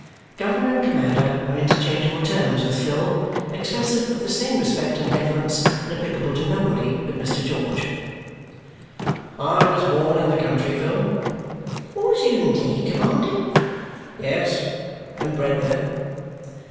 Governor and commander are interchangeable terms with Phil, expressive of the same respect and deference and applicable to nobody but Mr. George. "I was born in the country, Phil." "Was you indeed, commander?" "Yes. And bred there."